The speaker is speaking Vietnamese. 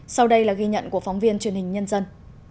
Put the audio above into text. sau đây là ghi nhận của phóng viên truyền hình nhân dân